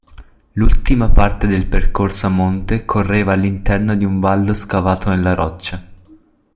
L'ultima parte del percorso a monte correva all'interno di un vallo scavato nella roccia.